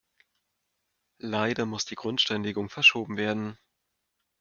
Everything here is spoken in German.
Leider muss die Grundsteinlegung verschoben werden.